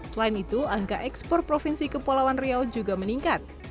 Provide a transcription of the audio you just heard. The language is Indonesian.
selain itu angka ekspor provinsi kepulauan riau juga meningkat